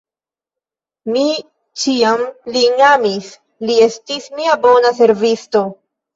Mi ĉiam lin amis, li estis mia bona servisto.